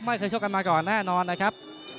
ไม่เคยชกกันมาก่อนแน่นอนนะครับ